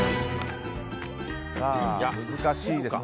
難しいですね。